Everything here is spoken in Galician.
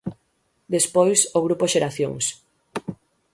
Despois, o grupo Xeracións.